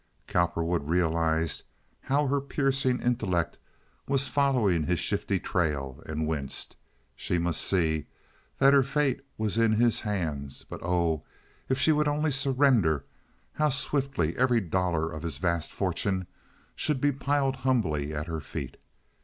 Cowperwood realized how her piercing intellect was following his shifty trail, and winced. She must see that her fate was in his hands, but oh! if she would only surrender, how swiftly every dollar of his vast fortune should be piled humbly at her feet.